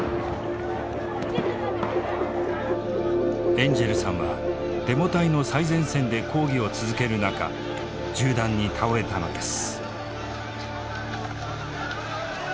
エンジェルさんはデモ隊の最前線で抗議を続ける中銃弾に倒れたのです。